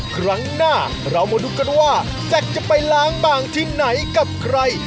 ครั้งหน้าเรามาดูกันว่าแซ็กจะไปล้างบางที่ไหนกับใคร